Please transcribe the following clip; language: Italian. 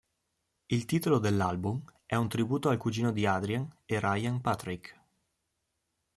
Il titolo dell'album è un tributo al cugino di Adrian e Ryan Patrick.